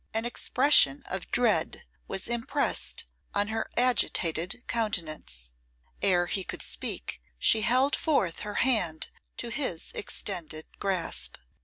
An expression of dread was impressed on her agitated countenance. Ere he could speak she held forth her hand to his extended grasp.